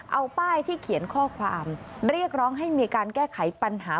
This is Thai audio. เอาป้ายที่เขียนข้อความเรียกร้องให้มีการแก้ไขปัญหา